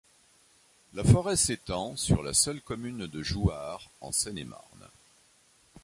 La forêt s'étend sur la seule commune de Jouarre en Seine-et-Marne.